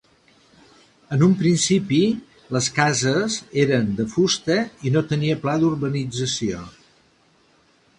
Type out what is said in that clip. En un principi les cases eren de fusta i no tenia pla d'urbanització.